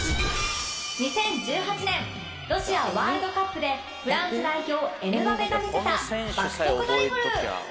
２０１８年ロシアワールドカップでフランス代表エムバペが見せた爆速ドリブル！